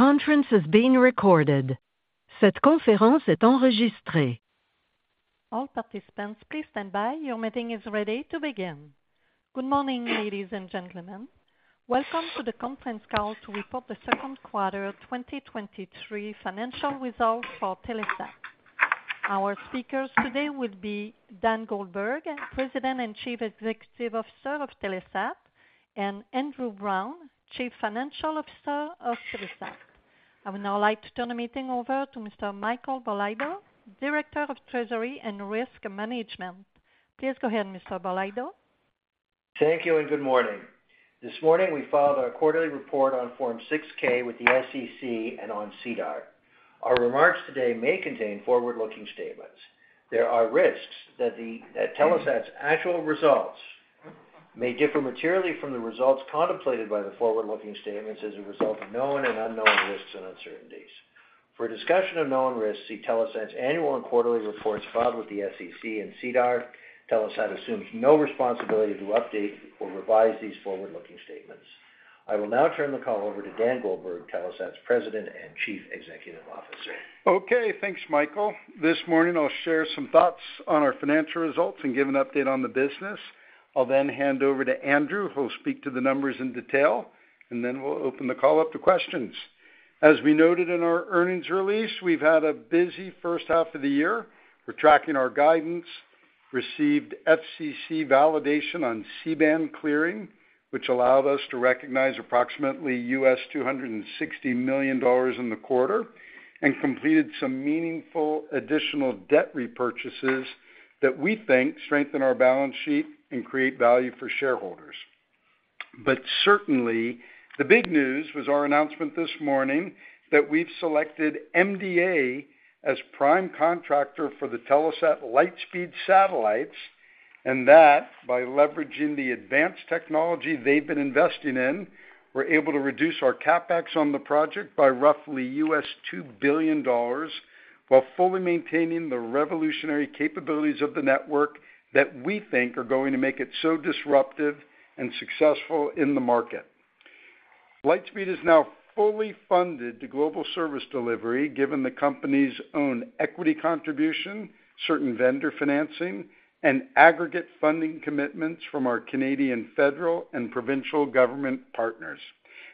This conference is being recorded. All participants, please stand by. Your meeting is ready to begin. Good morning, ladies and gentlemen. Welcome to the conference call to report the second quarter 2023 financial results for Telesat. Our speakers today will be Dan Goldberg, President and Chief Executive Officer of Telesat, and Andrew Browne, Chief Financial Officer of Telesat. I would now like to turn the meeting over to Mr. Michael Bolitho, Director of Treasury and Risk Management. Please go ahead, Mr. Bolaido. Thank you and good morning. This morning, we filed our quarterly report on Form 6-K with the SEC and on SEDAR. Our remarks today may contain forward-looking statements. There are risks that Telesat's actual results may differ materially from the results contemplated by the forward-looking statements as a result of known and unknown risks and uncertainties. For a discussion of known risks, see Telesat's annual and quarterly reports filed with the SEC and SEDAR. Telesat assumes no responsibility to update or revise these forward-looking statements. I will now turn the call over to Dan Goldberg, Telesat's President and Chief Executive Officer. Okay, thanks, Michael. This morning, I'll share some thoughts on our financial results and give an update on the business. I'll then hand over to Andrew, who'll speak to the numbers in detail, and then we'll open the call up to questions. As we noted in our earnings release, we've had a busy first half of the year. We're tracking our guidance, received FCC validation on C-band clearing, which allowed us to recognize approximately $260 million in the quarter, and completed some meaningful additional debt repurchases that we think strengthen our balance sheet and create value for shareholders. Certainly, the big news was our announcement this morning that we've selected MDA as prime contractor for the Telesat Lightspeed satellites, and that by leveraging the advanced technology they've been investing in, we're able to reduce our CapEx on the project by roughly $2 billion, while fully maintaining the revolutionary capabilities of the network that we think are going to make it so disruptive and successful in the market. Lightspeed is now fully funded to global service delivery, given the company's own equity contribution, certain vendor financing, and aggregate funding commitments from our Canadian federal and provincial government partners.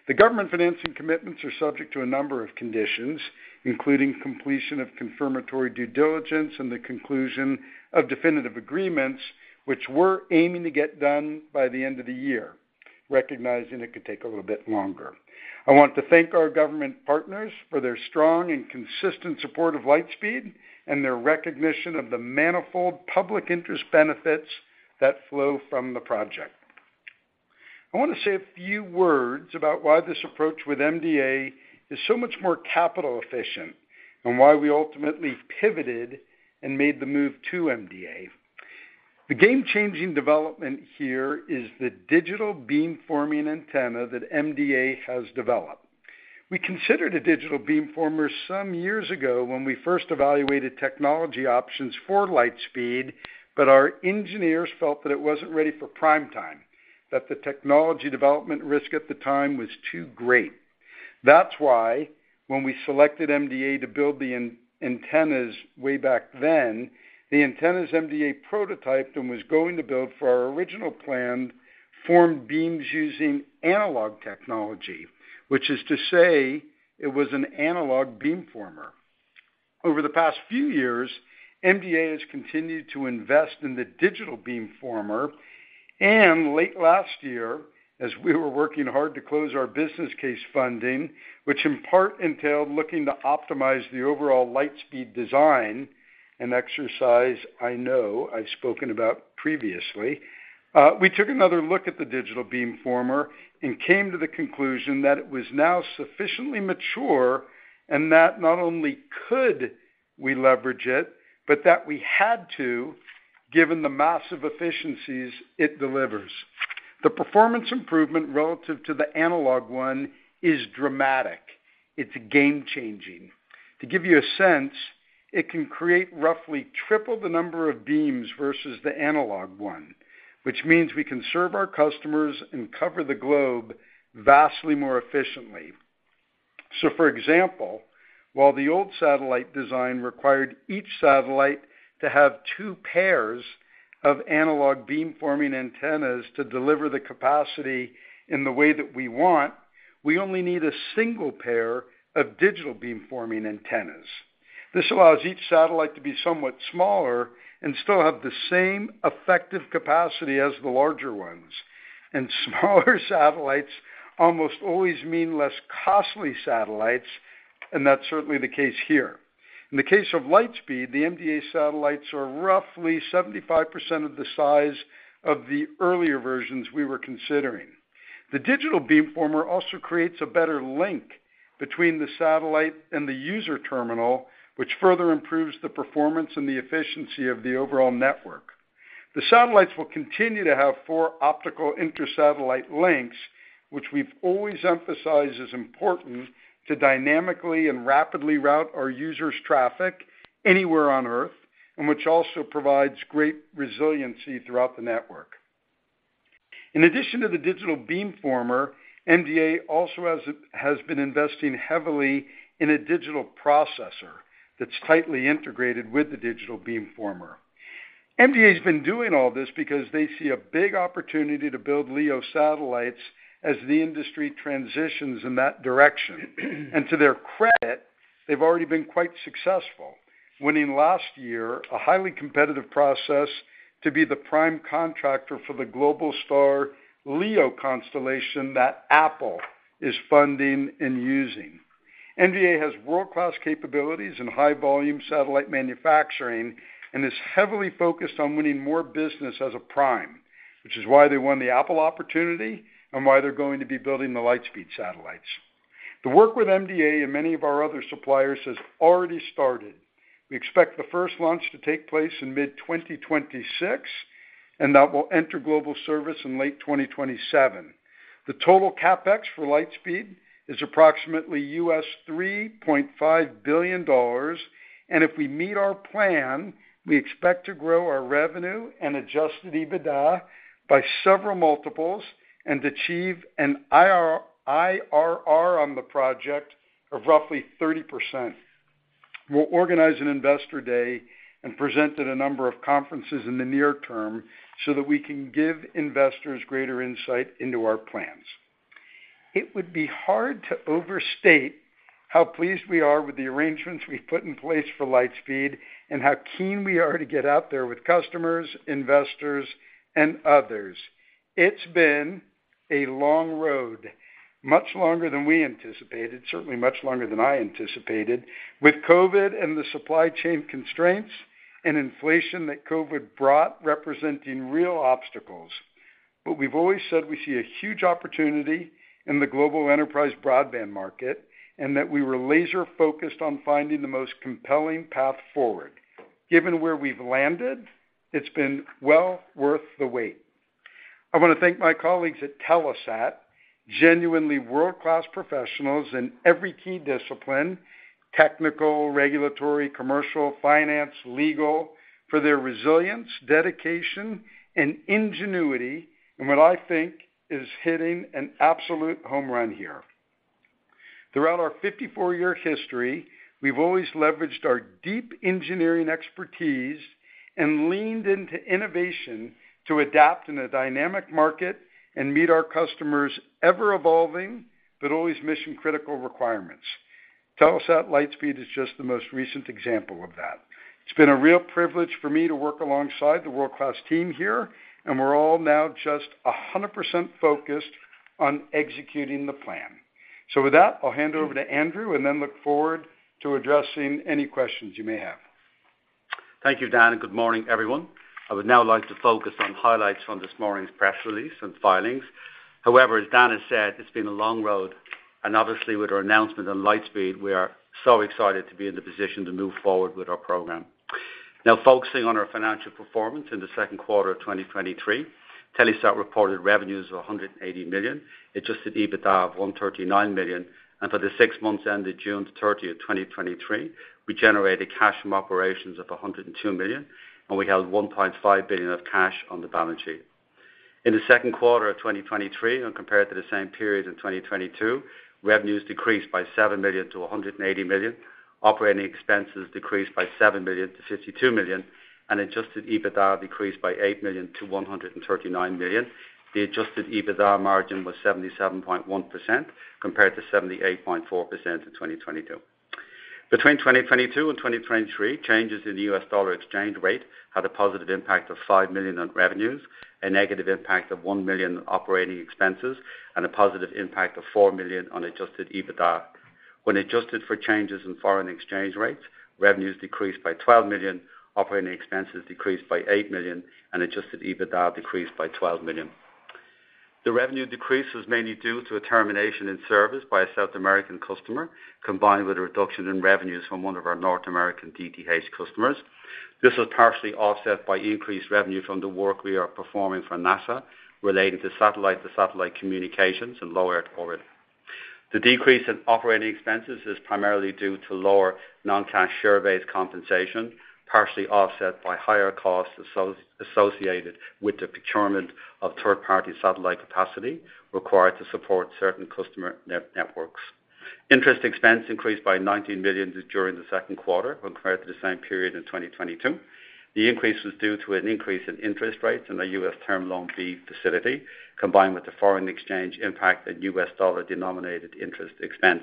The government financing commitments are subject to a number of conditions, including completion of confirmatory due diligence and the conclusion of definitive agreements, which we're aiming to get done by the end of the year, recognizing it could take a little bit longer. I want to thank our government partners for their strong and consistent support of Lightspeed and their recognition of the manifold public interest benefits that flow from the project. I want to say a few words about why this approach with MDA is so much more capital efficient and why we ultimately pivoted and made the move to MDA. The game-changing development here is the digital beamforming antenna that MDA has developed. We considered a digital beamformer some years ago when we first evaluated technology options for Lightspeed, but our engineers felt that it wasn't ready for prime time, that the technology development risk at the time was too great. That's why when we selected MDA to build the antennas way back then, the antennas MDA prototyped and was going to build for our original plan formed beams using analog technology, which is to say it was an analog beamformer. Over the past few years, MDA has continued to invest in the digital beamformer, and late last year, as we were working hard to close our business case funding, which in part entailed looking to optimize the overall Lightspeed design, an exercise I know I've spoken about previously, we took another look at the digital beamformer and came to the conclusion that it was now sufficiently mature, and that not only could we leverage it, but that we had to, given the massive efficiencies it delivers. The performance improvement relative to the analog one is dramatic. It's game-changing. To give you a sense, it can create roughly triple the number of beams versus the analog one, which means we can serve our customers and cover the globe vastly more efficiently. For example, while the old satellite design required each satellite to have two pairs of analog beamforming antennas to deliver the capacity in the way that we want, we only need a single pair of digital beamforming antennas. This allows each satellite to be somewhat smaller and still have the same effective capacity as the larger ones. Smaller satellites almost always mean less costly satellites, and that's certainly the case here. In the case of Lightspeed, the MDA satellites are roughly 75% of the size of the earlier versions we were considering. The digital beamformer also creates a better link between the satellite and the user terminal, which further improves the performance and the efficiency of the overall network. The satellites will continue to have four optical inter-satellite links, which we've always emphasized is important to dynamically and rapidly route our users' traffic anywhere on Earth, and which also provides great resiliency throughout the network. In addition to the digital beamformer, MDA also has been investing heavily in a digital processor that's tightly integrated with the digital beamformer. MDA has been doing all this because they see a big opportunity to build LEO satellites as the industry transitions in that direction. To their credit, they've already been quite successful, winning last year a highly competitive process to be the prime contractor for the Globalstar LEO constellation that Apple is funding and using. MDA has world-class capabilities in high-volume satellite manufacturing and is heavily focused on winning more business as a prime, which is why they won the Apple opportunity and why they're going to be building the Lightspeed satellites. The work with MDA and many of our other suppliers has already started. We expect the first launch to take place in mid-2026. That will enter global service in late 2027. The total CapEx for Lightspeed is approximately $3.5 billion. If we meet our plan, we expect to grow our revenue and adjusted EBITDA by several multiples and achieve an IRR on the project of roughly 30%. We'll organize an investor day and present at a number of conferences in the near term so that we can give investors greater insight into our plans. It would be hard to overstate how pleased we are with the arrangements we've put in place for Lightspeed, how keen we are to get out there with customers, investors, and others. It's been a long road, much longer than we anticipated, certainly much longer than I anticipated, with COVID and the supply chain constraints and inflation that COVID brought, representing real obstacles. We've always said we see a huge opportunity in the global enterprise broadband market, that we were laser-focused on finding the most compelling path forward. Given where we've landed, it's been well worth the wait. I wanna thank my colleagues at Telesat, genuinely world-class professionals in every key discipline: technical, regulatory, commercial, finance, legal, for their resilience, dedication, and ingenuity, what I think is hitting an absolute home run here. Throughout our 54-year history, we've always leveraged our deep engineering expertise and leaned into innovation to adapt in a dynamic market and meet our customers' ever-evolving, but always mission-critical requirements. Telesat Lightspeed is just the most recent example of that. It's been a real privilege for me to work alongside the world-class team here, and we're all now just 100% focused on executing the plan. With that, I'll hand over to Andrew and then look forward to addressing any questions you may have. Thank you, Dan. Good morning, everyone. I would now like to focus on highlights from this morning's press release and filings. However, as Dan has said, it's been a long road, and obviously, with our announcement on Lightspeed, we are so excited to be in the position to move forward with our program. Focusing on our financial performance in the second quarter of 2023, Telesat reported revenues of $180 million, adjusted EBITDA of $139 million, and for the six months ended June 30th, 2023, we generated cash from operations of $102 million, and we held $1.5 billion of cash on the balance sheet. In the second quarter of 2023, and compared to the same period in 2022, revenues decreased by $7 million to $180 million, operating expenses decreased by $7 million to $52 million, and adjusted EBITDA decreased by $8 million to $139 million. The adjusted EBITDA margin was 77.1%, compared to 78.4% in 2022. Between 2022 and 2023, changes in the U.S. dollar exchange rate had a positive impact of $5 million on revenues, a negative impact of $1 million on operating expenses, and a positive impact of $4 million on adjusted EBITDA. When adjusted for changes in foreign exchange rates, revenues decreased by $12 million, operating expenses decreased by $8 million, and adjusted EBITDA decreased by $12 million. The revenue decrease was mainly due to a termination in service by a South American customer, combined with a reduction in revenues from one of our North American DTH customers. This was partially offset by increased revenue from the work we are performing for NASA, relating to satellite-to-satellite communications in low Earth orbit. The decrease in operating expenses is primarily due to lower non-cash share-based compensation, partially offset by higher costs associated with the procurement of third-party satellite capacity required to support certain customer networks. Interest expense increased by $19 million during the second quarter when compared to the same period in 2022. The increase was due to an increase in interest rates in the U.S. Term Loan B facility, combined with the foreign exchange impact and U.S. dollar-denominated interest expense.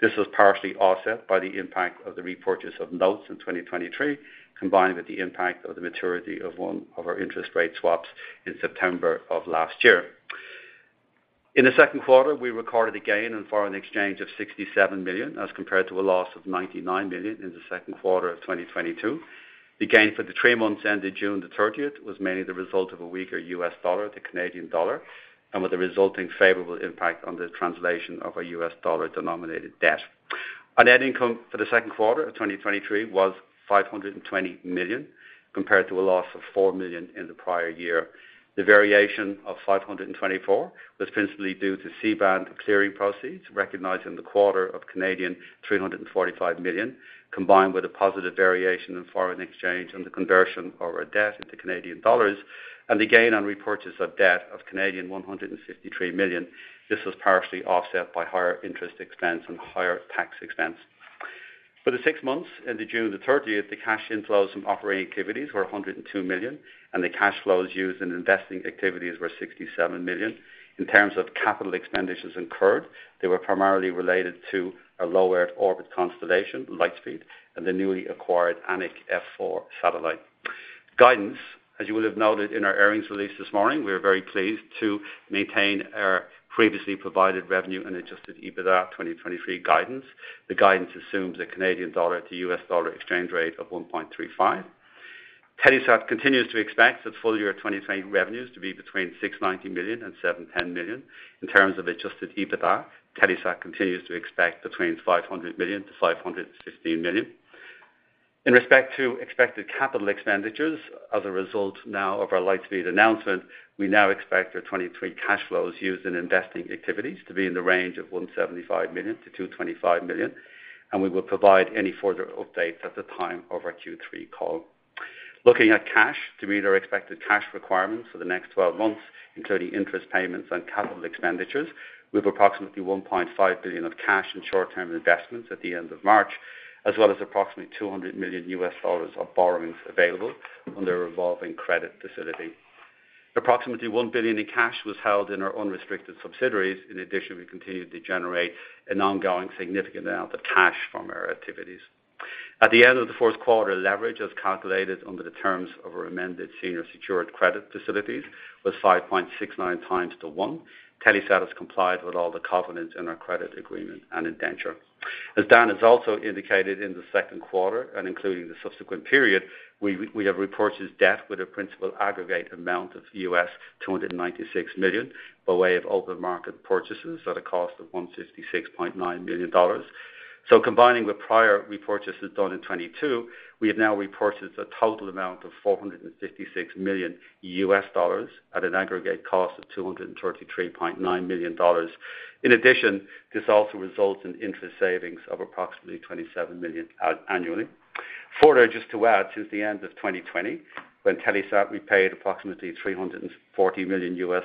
This was partially offset by the impact of the repurchase of notes in 2023, combined with the impact of the maturity of one of our interest rate swaps in September of last year. In the second quarter, we recorded a gain in foreign exchange of $67 million, as compared to a loss of $99 million in the second quarter of 2022. The gain for the three months ended June the thirtieth was mainly the result of a weaker U.S. dollar to Canadian dollar and with a resulting favorable impact on the translation of our U.S. dollar-denominated debt. Our net income for the second quarter of 2023 was $520 million, compared to a loss of $4 million in the prior year. The variation of 524 was principally due to C-band clearing proceeds, recognized in the quarter of 345 million, combined with a positive variation in foreign exchange and the conversion of our debt into Canadian dollars, and the gain on repurchase of debt of 153 million. This was partially offset by higher interest expense and higher tax expense. For the six months ended June 30th, the cash inflows from operating activities were 102 million, and the cash flows used in investing activities were 67 million. In terms of capital expenditures incurred, they were primarily related to our low Earth orbit constellation, Lightspeed, and the newly acquired Anik F4 satellite. Guidance. As you will have noted in our earnings release this morning, we are very pleased to maintain our previously provided revenue and adjusted EBITDA 2023 guidance. The guidance assumes a Canadian dollar to U.S. dollar exchange rate of 1.35. Telesat continues to expect that full year of 2020 revenues to be between $690 million and $710 million. In terms of adjusted EBITDA, Telesat continues to expect between $500 million to $515 million. In respect to expected capital expenditures, as a result now of our Lightspeed announcement, we now expect our 2023 cash flows used in investing activities to be in the range of $175 million-$225 million, and we will provide any further updates at the time of our Q3 call. Looking at cash, to meet our expected cash requirements for the next 12 months, including interest payments and CapEx, we have approximately $1.5 billion of cash and short-term investments at the end of March, as well as approximately $200 million of borrowings available under a revolving credit facility. Approximately $1 billion in cash was held in our unrestricted subsidiaries. In addition, we continued to generate an ongoing significant amount of cash from our activities. At the end of the fourth quarter, leverage, as calculated under the terms of our amended senior secured credit facilities, was 5.69 times to 1. Telesat has complied with all the covenants in our credit agreement and indenture. As Dan has also indicated, in the second quarter and including the subsequent period, we have repurchased debt with a principal aggregate amount of $296 million, by way of open market purchases at a cost of $156.9 million. Combining with prior repurchases done in 2022, we have now repurchased a total amount of $456 million at an aggregate cost of $233.9 million. In addition, this also results in interest savings of approximately $27 million annually. Further, just to add, since the end of 2020, when Telesat repaid approximately $340 million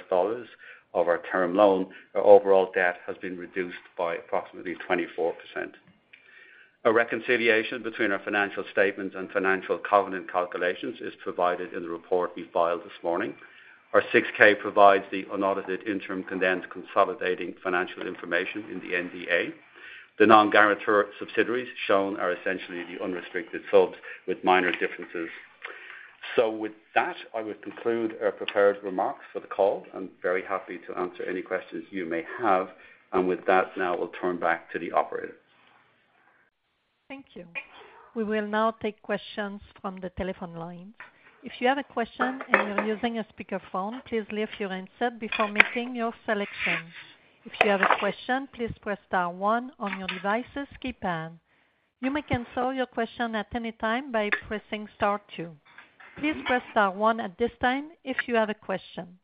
of our term loan, our overall debt has been reduced by approximately 24%. A reconciliation between our financial statements and financial covenant calculations is provided in the report we filed this morning. Our 6-K provides the unaudited interim condensed consolidating financial information in the MD&A. The non-guarantor subsidiaries shown are essentially the unrestricted subs with minor differences. With that, I would conclude our prepared remarks for the call. I'm very happy to answer any questions you may have. With that, now we'll turn back to the operator. Thank you. We will now take questions from the telephone line. If you have a question and you're using a speakerphone, please lift your handset before making your selections. If you have a question, please press star one on your device's keypad. You may cancel your question at any time by pressing star two. Please press star one at this time if you have a question.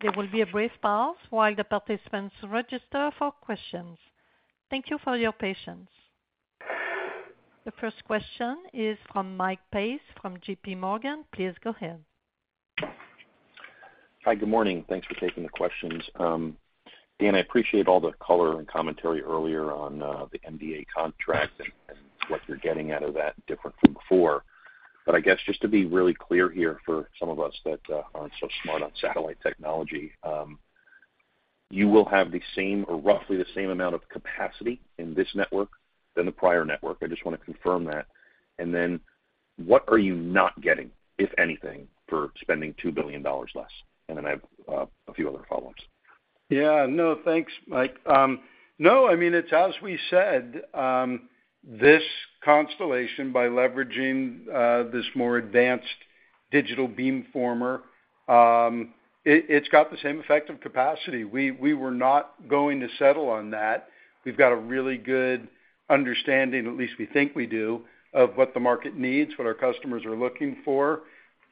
There will be a brief pause while the participants register for questions. Thank you for your patience. The first question is from Michael Pace, from J.P. Morgan. Please go ahead. Hi, good morning. Thanks for taking the questions. Dan, I appreciate all the color and commentary earlier on the MDA contract and, and what you're getting out of that different from before. I guess just to be really clear here, for some of us that aren't so smart on satellite technology, you will have the same or roughly the same amount of capacity in this network than the prior network? I just want to confirm that. What are you not getting, if anything, for spending $2 billion less? I have a few other follow-ups. Yeah. No, thanks, Mike. No, I mean, it's as we said, this constellation, by leveraging this more advanced digital beamformer, it, it's got the same effective capacity. We, we were not going to settle on that. We've got a really good understanding, at least we think we do, of what the market needs, what our customers are looking for,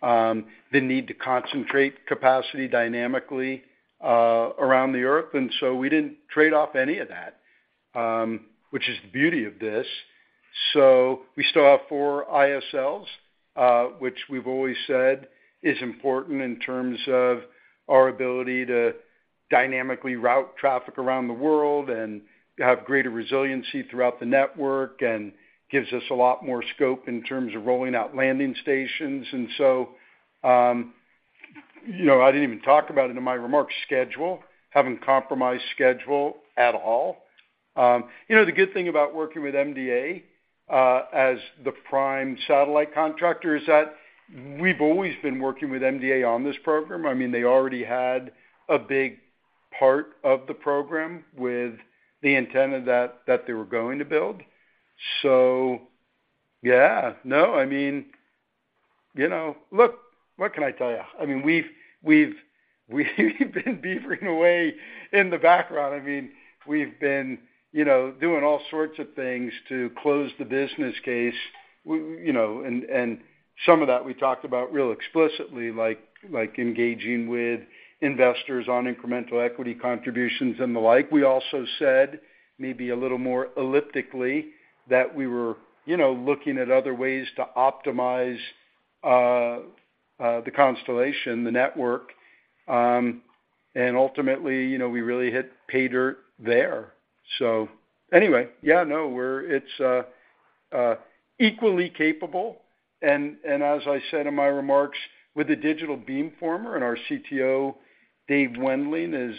the need to concentrate capacity dynamically around the Earth. We didn't trade off any of that, which is the beauty of this. We still have four ISLs, which we've always said is important in terms of our ability to dynamically route traffic around the world and have greater resiliency throughout the network, and gives us a lot more scope in terms of rolling out landing stations. You know, I didn't even talk about it in my remarks, schedule. Haven't compromised schedule at all. You know, the good thing about working with MDA as the prime satellite contractor is that we've always been working with MDA on this program. I mean, they already had a big part of the program with the antenna that they were going to build. No, I mean, you know, look, what can I tell you? I mean, we've, we've, we've been beavering away in the background. I mean, we've been, you know, doing all sorts of things to close the business case. We, you know, and some of that we talked about real explicitly, like engaging with investors on incremental equity contributions and the like. We also said, maybe a little more elliptically, that we were, you know, looking at other ways to optimize the constellation, the network. Ultimately, you know, we really hit pay dirt there. Anyway, yeah, no, we're, it's equally capable, and as I said in my remarks, with the digital beamformer and our CTO, Dave Wendling, is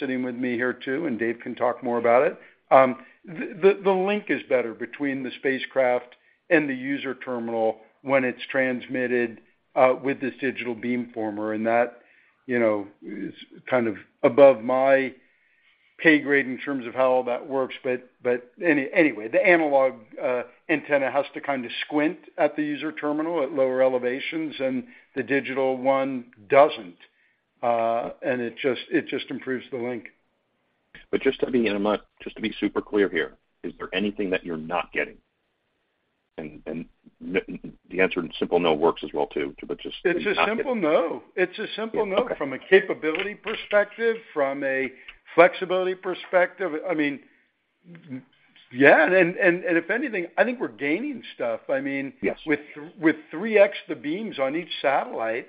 sitting with me here, too, and Dave can talk more about it. The link is better between the spacecraft and the user terminal when it's transmitted with this digital beamformer, and that, you know, is kind of above my pay grade in terms of how all that works. Anyway, the analog antenna has to kind of squint at the user terminal at lower elevations, and the digital one doesn't, and it just, it just improves the link. Just to be super clear here, is there anything that you're not getting? The answer, simple no works as well, too. It's a simple no. It's a simple no. Okay. From a capability perspective, from a flexibility perspective, I mean, yeah, and if anything, I think we're gaining stuff. Yes... with, with 3x, the beams on each satellite,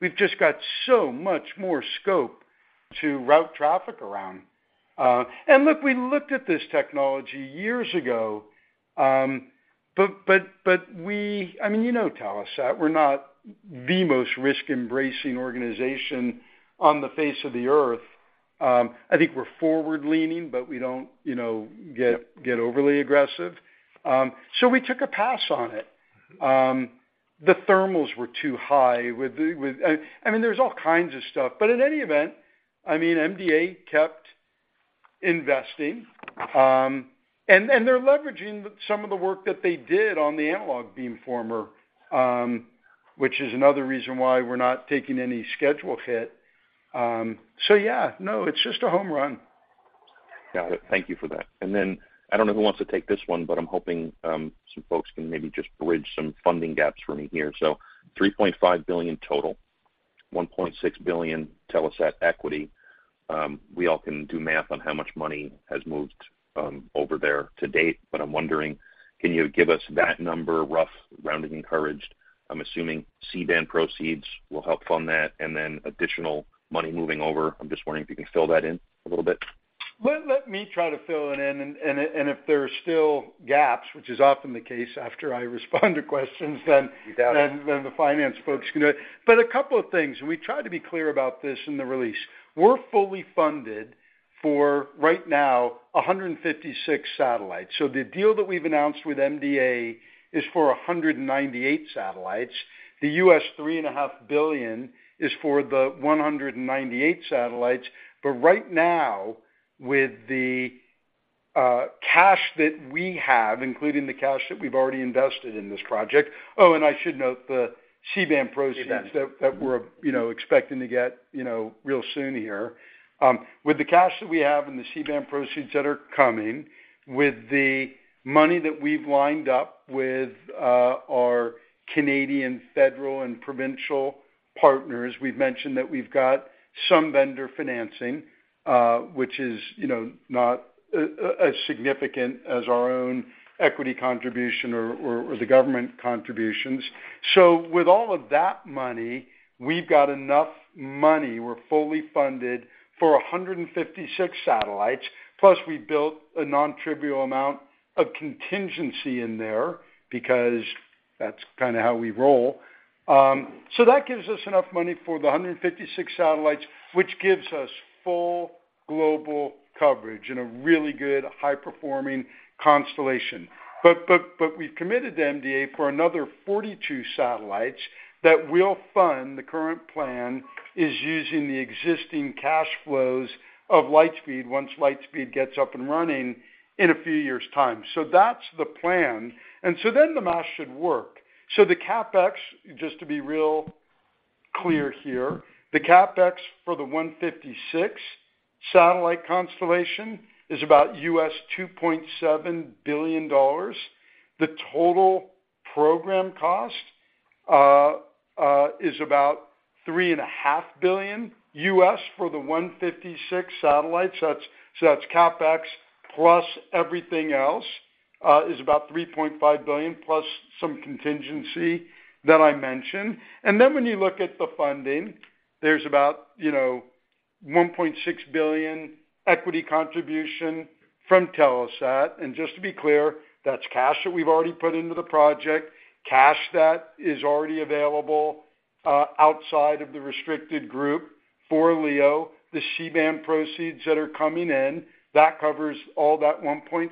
we've just got so much more scope to route traffic around. Look, we looked at this technology years ago. I mean, you know Telesat, we're not the most risk-embracing organization on the face of the Earth. I think we're forward-leaning, but we don't, you know, get, get overly aggressive. We took a pass on it. Mm-hmm. The thermals were too high with the, I mean, there's all kinds of stuff, but in any event, I mean, MDA kept investing, and they're leveraging some of the work that they did on the analog beamformer, which is another reason why we're not taking any schedule hit. Yeah, no, it's just a home run. Got it. Thank you for that. Then, I don't know who wants to take this one, but I'm hoping, some folks can maybe just bridge some funding gaps for me here. $3.5 billion total, $1.6 billion Telesat equity. We all can do math on how much money has moved, over there to date, but I'm wondering, can you give us that number, rough, rounded, encouraged? I'm assuming C-Band proceeds will help fund that, and then additional money moving over. I'm just wondering if you can fill that in a little bit. Let me try to fill it in, and if there are still gaps, which is often the case after I respond to questions, then. You got it.... then, then the finance folks can do it. A couple of things, we tried to be clear about this in the release. We're fully funded for right now, 156 satellites. The deal that we've announced with MDA is for 198 satellites. The $3.5 billion is for the 198 satellites. Right now, with the cash that we have, including the cash that we've already invested in this project... Oh, I should note the C-Band proceeds- Yes... that we're, you know, expecting to get, you know, real soon here. With the cash that we have and the C-Band proceeds that are coming, with the money that we've lined up with our Canadian federal and provincial partners, we've mentioned that we've got some vendor financing, which is, you know, not as significant as our own equity contribution or the government contributions. With all of that money, we've got enough money. We're fully funded for 156 satellites, plus we built a nontrivial amount of contingency in there because that's kind of how we roll. That gives us enough money for the 156 satellites, which gives us full global coverage and a really good, high-performing constellation. We've committed to MDA for another 42 satellites that we'll fund. The current plan is using the existing cash flows of Lightspeed, once Lightspeed gets up and running in a few years' time. That's the plan. The math should work. The CapEx, just to be real clear here, the CapEx for the 156 satellite constellation is about $2.7 billion. The total program cost is about $3.5 billion for the 156 satellites. That's CapEx plus everything else is about $3.5 billion, plus some contingency that I mentioned. When you look at the funding, there's about, you know, $1.6 billion equity contribution from Telesat. Just to be clear, that's cash that we've already put into the project, cash that is already available, outside of the restricted group for LEO, the C-band proceeds that are coming in, that covers all that $1.6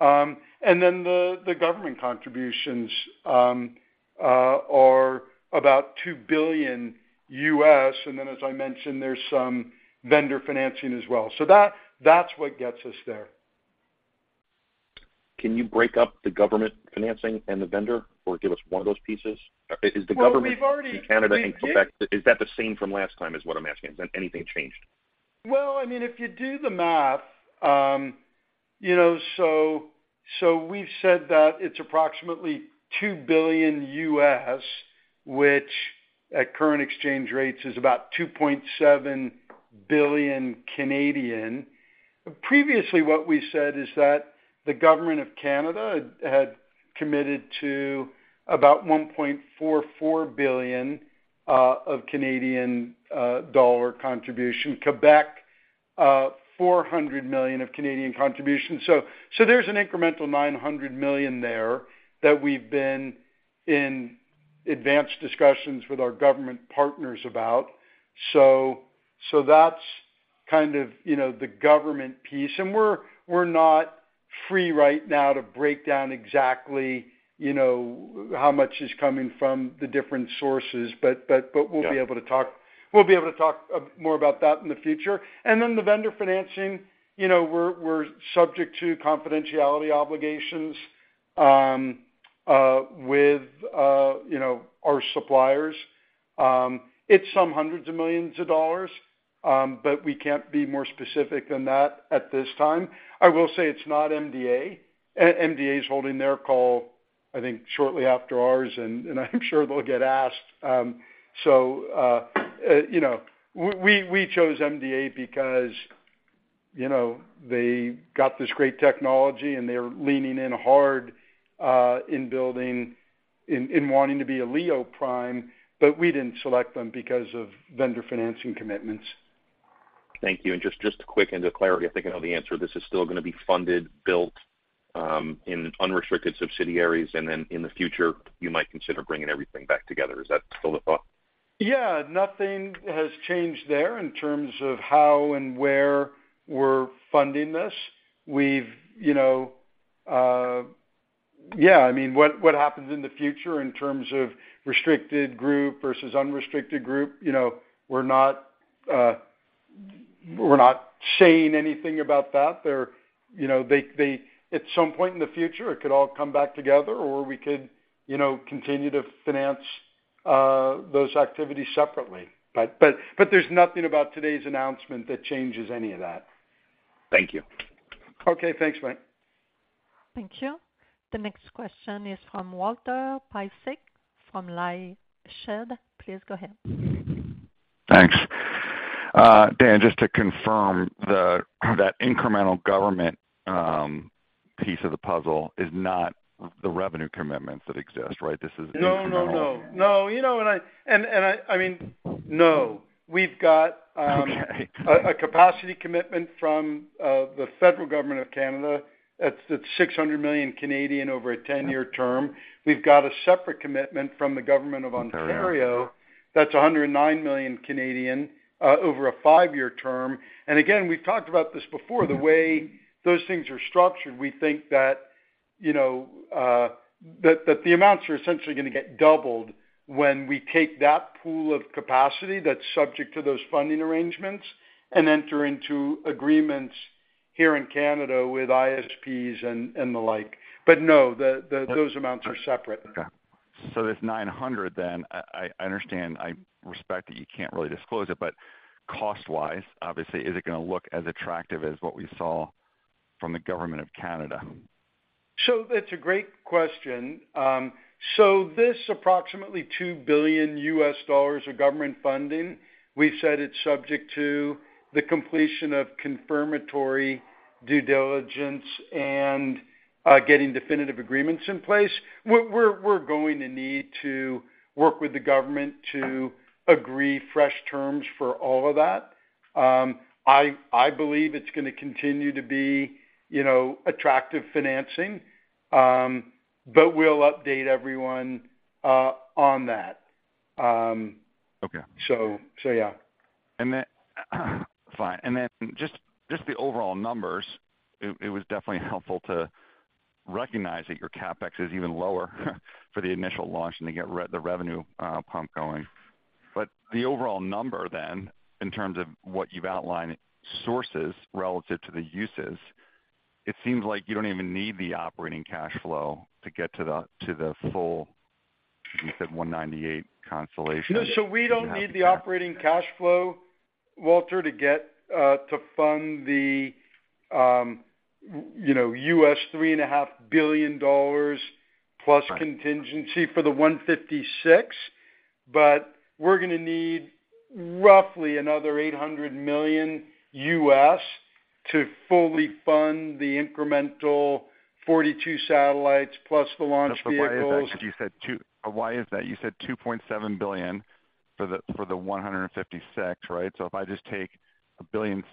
billion. Then the government contributions are about $2 billion, and then as I mentioned, there's some vendor financing as well. That, that's what gets us there. Can you break up the government financing and the vendor, or give us one of those pieces? Well, we've already- Is the government in Canada and Quebec, is that the same from last time, is what I'm asking? Has anything changed? Well, I mean, if you do the math, you know, we've said that it's approximately $2 billion U.S., which at current exchange rates is about 2.7 billion Canadian. Previously, what we said is that the government of Canada had, had committed to about 1.44 billion of Canadian dollar contribution. Quebec, 400 million of Canadian contribution. There's an incremental 900 million there that we've been in advanced discussions with our government partners about. That's kind of, you know, the government piece, and we're, we're not free right now to break down exactly, you know, how much is coming from the different sources. But. Yeah... but we'll be able to talk, we'll be able to talk more about that in the future. Then the vendor financing, you know, we're subject to confidentiality obligations with, you know, our suppliers. It's some hundreds of millions of dollars, but we can't be more specific than that at this time. I will say it's not MDA. MDA is holding their call, I think, shortly after ours, and I'm sure they'll get asked. So, you know, we, we, we chose MDA because, you know, they got this great technology, and they're leaning in hard in building, in wanting to be a LEO prime, but we didn't select them because of vendor financing commitments. Thank you. Just, just a quick and to clarity, I think I know the answer. This is still gonna be funded, built, in unrestricted subsidiaries, and then in the future, you might consider bringing everything back together. Is that still the thought? Yeah, nothing has changed there in terms of how and where we're funding this. We've, you know, Yeah, I mean, what, what happens in the future in terms of restricted group versus unrestricted group, you know, we're not, we're not saying anything about that. They're, you know, they, at some point in the future, it could all come back together, or we could, you know, continue to finance those activities separately. There's nothing about today's announcement that changes any of that. Thank you. Okay, thanks, Mike. Thank you. The next question is from Walter Piecyk, from LightShed. Please go ahead. Thanks. Dan, just to confirm, that incremental government piece of the puzzle is not the revenue commitments that exist, right? This is. No, no, no. No, you know, and I And, and I, I mean, no. Okay. We've got a capacity commitment from the federal government of Canada. It's 600 million over a 10-year term. We've got a separate commitment from the government of Ontario. Ontario That's 109 million over a five-year term. Again, we've talked about this before, the way those things are structured, we think that, you know, the amounts are essentially gonna get doubled when we take that pool of capacity that's subject to those funding arrangements and enter into agreements here in Canada with ISPs and the like. No, the. But- Those amounts are separate. Okay. This 900 then, I, I understand, I respect that you can't really disclose it, cost-wise, obviously, is it gonna look as attractive as what we saw from the government of Canada? That's a great question. This approximately $2 billion of government funding, we've said it's subject to the completion of confirmatory due diligence and getting definitive agreements in place. We're, we're, we're going to need to work with the government to agree fresh terms for all of that. I, I believe it's gonna continue to be, you know, attractive financing, but we'll update everyone on that. Okay. So yeah. Fine. Just the overall numbers, it was definitely helpful to recognize that your CapEx is even lower for the initial launch and to get re-- the revenue pump going. The overall number then, in terms of what you've outlined, sources relative to the uses, it seems like you don't even need the operating cash flow to get to the, to the full, you said 198 constellation. No, we don't need the operating cash flow, Walter, to get to fund the, you know, $3.5 billion plus contingency for the 156, but we're gonna need roughly another $800 million to fully fund the incremental 42 satellites plus the launch vehicles. Why is that? Why is that? You said $2.7 billion for the, for the 156, right? If I just take $1.6 billion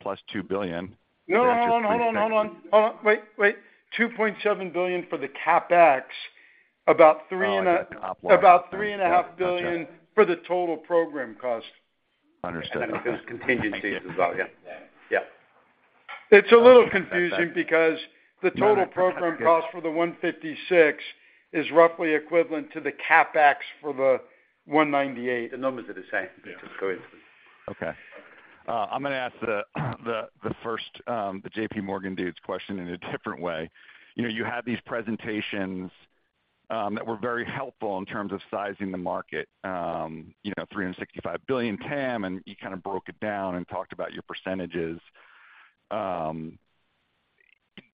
plus $2 billion- No, hold on, hold on, hold on. Hold on, wait, wait. $2.7 billion for the CapEx, about three and a- Oh, okay. About $3.5 billion- Gotcha for the total program cost. Understood. There's contingencies as well. Yeah. Yeah. It's a little confusing. Yeah... the total program cost for the 156 is roughly equivalent to the CapEx for the 198. The numbers are the same. Yeah. Just coincidence. Okay. I'm gonna ask the, the, the first, the J.P. Morgan dude's question in a different way. You know, you had these presentations that were very helpful in terms of sizing the market, you know, $365 billion TAM, and you kind of broke it down and talked about your percentages.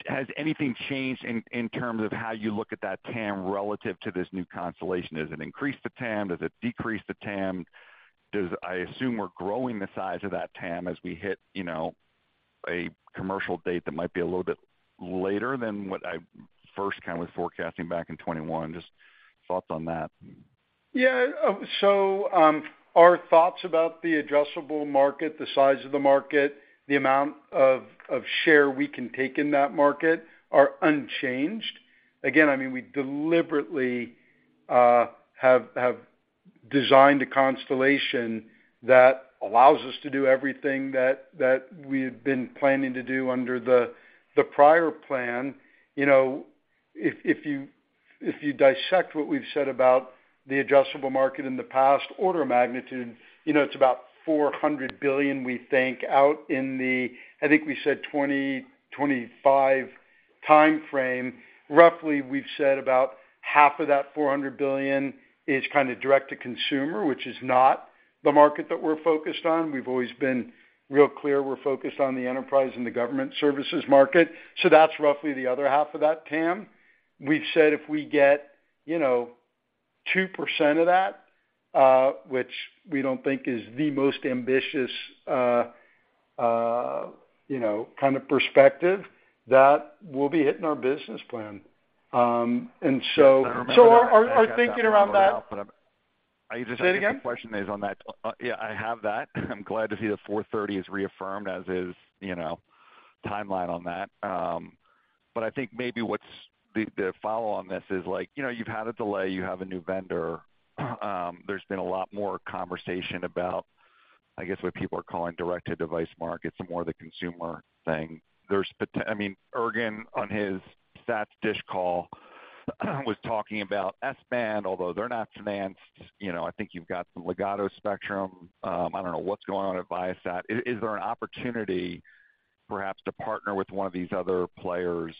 Has anything changed in, in terms of how you look at that TAM relative to this new constellation? Does it increase the TAM? Does it decrease the TAM? I assume we're growing the size of that TAM as we hit, you know, a commercial date that might be a little bit later than what I first kind of was forecasting back in 2021. Just thoughts on that. Our thoughts about the addressable market, the size of the market, the amount of share we can take in that market are unchanged. We deliberately have designed a constellation that allows us to do everything that we had been planning to do under the prior plan. You know, if you dissect what we've said about the addressable market in the past order of magnitude, you know, it's about $400 billion, we think, out in the, I think we said 2025 timeframe. Roughly, we've said about half of that $400 billion is kind of direct-to-consumer, which is not the market that we're focused on. We've always been real clear, we're focused on the enterprise and the government services market. That's roughly the other half of that TAM. We've said if we get, you know, 2% of that, which we don't think is the most ambitious, you know, kind of perspective, that we'll be hitting our business plan. Our, our thinking around that- But I just- Say it again? The question is on that. Yeah, I have that. I'm glad to see the 430 is reaffirmed, as is, you know, timeline on that. I think maybe what's the, the follow on this is like, you know, you've had a delay, you have a new vendor, there's been a lot more conversation about, I guess, what people are calling direct-to-device markets, more the consumer thing. I mean, Ergen, on his SATS Dish call, was talking about S-band, although they're not financed. You know, I think you've got some Ligado spectrum. I don't know what's going on at Viasat. Is, is there an opportunity perhaps to partner with one of these other players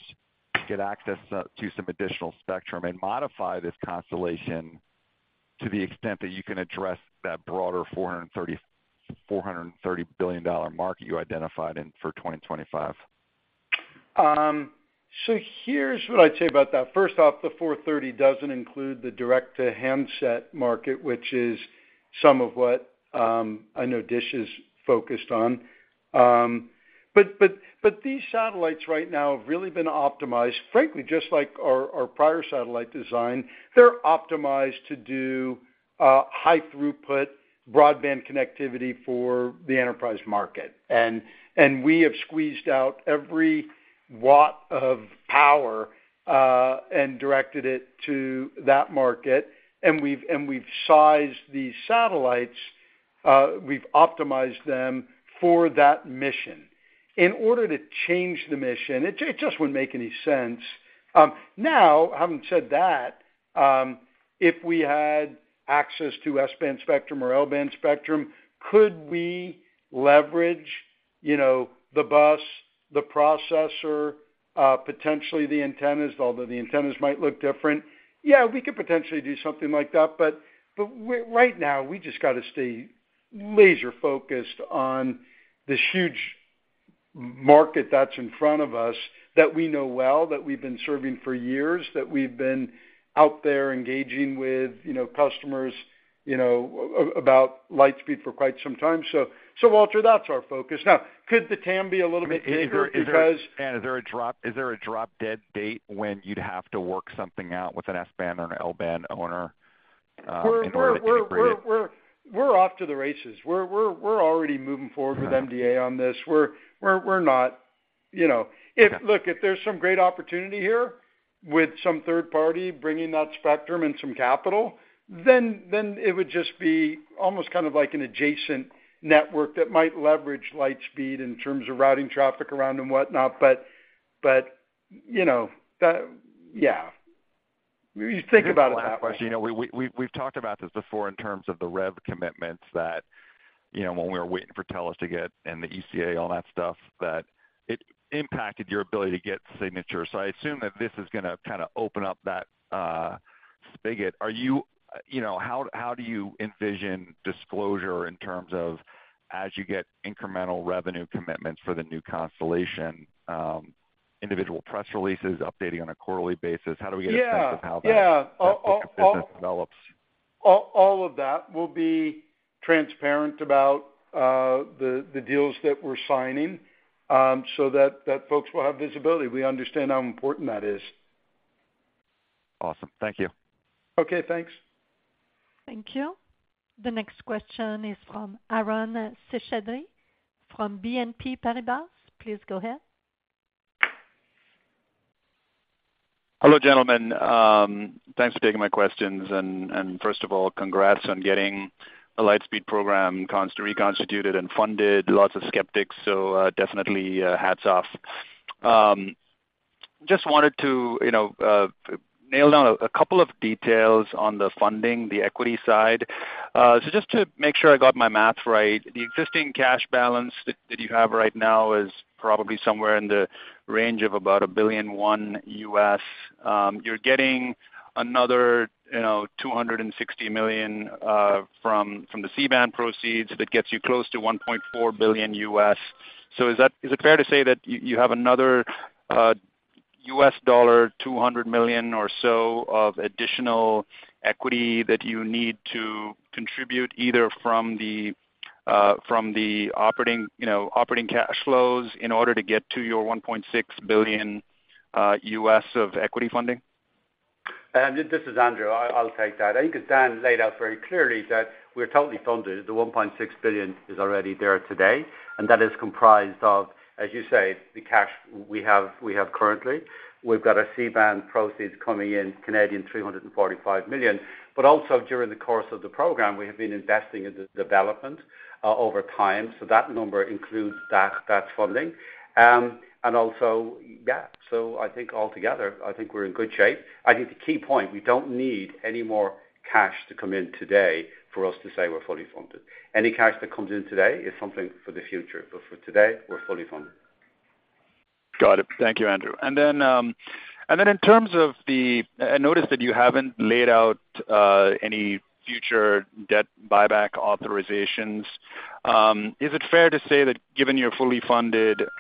to get access, to some additional spectrum and modify this constellation to the extent that you can address that broader $430 billion market you identified in, for 2025? Here's what I'd say about that. First off, the $430 billion doesn't include the direct-to-handset market, which is some of what I know Dish is focused on. These satellites right now have really been optimized, frankly, just like our prior satellite design, they're optimized to do high throughput broadband connectivity for the enterprise market. We have squeezed out every watt of power and directed it to that market, and we've, and we've sized these satellites, we've optimized them for that mission. In order to change the mission, it just wouldn't make any sense. Now, having said that, if we had access to S-band spectrum or L-band spectrum, could we leverage, you know, the bus, the processor, potentially the antennas, although the antennas might look different? Yeah, we could potentially do something like that, but we right now, we just got to stay laser focused on this huge market that's in front of us, that we know well, that we've been serving for years, that we've been out there engaging with, you know, customers, you know, about Lightspeed for quite some time. Walter, that's our focus. Could the TAM be a little bit bigger because- Is there a drop-dead date when you'd have to work something out with an S-band or an L-band owner, in order to integrate it? We're off to the races. We're already moving forward with MDA on this. We're not, you know. Okay. Look, if there's some great opportunity here with some third party bringing that spectrum and some capital, then it would just be almost kind of like an adjacent network that might leverage Lightspeed in terms of routing traffic around and whatnot. You know, that. Yeah. You think about it that way. You know, we've talked about this before in terms of the rev commitments that, you know, when we were waiting for Telus to get and the ECA, all that stuff, that it impacted your ability to get signatures. I assume that this is gonna kind of open up that spigot. You know, how do you envision disclosure in terms of as you get incremental revenue commitments for the new constellation, individual press releases, updating on a quarterly basis? How do we get a sense- Yeah. -of how that, that business develops? All, all of that will be transparent about, the, the deals that we're signing, so that, that folks will have visibility. We understand how important that is. Awesome. Thank you. Okay, thanks. Thank you. The next question is from Aaron Sethi, from BNP Paribas. Please go ahead. Hello, gentlemen. Thanks for taking my questions. And first of all, congrats on getting the Lightspeed program reconstituted and funded. Lots of skeptics, so definitely hats off. Just wanted to, you know, nail down a couple of details on the funding, the equity side. So just to make sure I got my math right, the existing cash balance that you have right now is probably somewhere in the range of about $1.1 billion. You're getting another, you know, $260 million from the C-band proceeds. That gets you close to $1.4 billion. Is it fair to say that you, you have another $200 million or so of additional equity that you need to contribute, either from the from the operating, you know, operating cash flows in order to get to your $1.6 billion of equity funding? This is Andrew Browne. I, I'll take that. I think as Dan Goldberg laid out very clearly, that we're totally funded. The 1.6 billion is already there today, and that is comprised of, as you say, the cash we have, we have currently. We've got our C-band proceeds coming in 345 million. Also, during the course of the program, we have been investing in the development over time, so that number includes that, that funding. Also, yeah, I think altogether, I think we're in good shape. I think the key point, we don't need any more cash to come in today for us to say we're fully funded. Any cash that comes in today is something for the future, but for today, we're fully funded. Got it. Thank you, Andrew. I noticed that you haven't laid out any future debt buyback authorizations. Is it fair to say that given you're fully funded, is